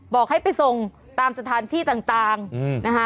บอกให้ไปส่งตามสถานที่ต่างนะคะ